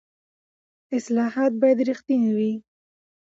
اصلاحات باید رښتیني وي